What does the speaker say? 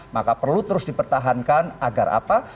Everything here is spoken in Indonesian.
maka perlu terus dipertahankan agar apa